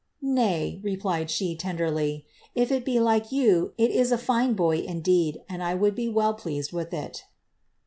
" Nay," replied she, tenderly, " if it be like you, it is a tine boy indeed, and I would be well pleased with it."